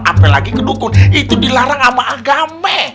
apalagi kedukun itu dilarang sama agama